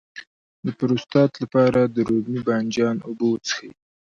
د پروستات لپاره د رومي بانجان اوبه وڅښئ